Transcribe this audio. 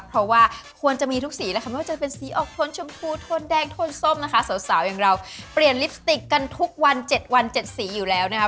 เพราะว่าควรจะมีทุกสีนะคะไม่ว่าจะเป็นสีออกโทนชมพูทนแดงโทนส้มนะคะสาวอย่างเราเปลี่ยนลิปสติกกันทุกวัน๗วัน๗สีอยู่แล้วนะคะ